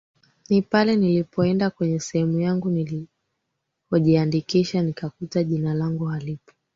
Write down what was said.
ni pale nilipoenda kwenye sehemu yangu niliojiandikishia nikakuta jina langu halipo